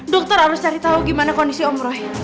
dokter harus cari tahu gimana kondisi om roy